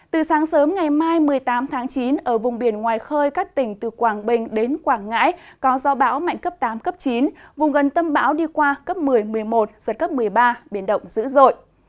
từ sáng sớm ngày mai một mươi tám tháng chín ở vùng biển ngoài khơi các tỉnh từ quảng bình đến quảng ngãi có do bão mạnh cấp tám cấp chín vùng gần tâm bão đi qua cấp một mươi một mươi một giật cấp một mươi ba biển động dữ dội